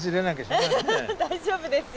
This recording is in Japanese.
大丈夫ですよ。